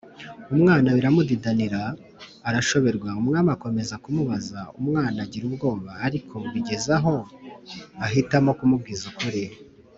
umwana biramudidanira arashoberwa. Umwami akomeza kumubaza, umwana agira ubwoba, ariko bigezaho ahitamo kumubwiza ukuri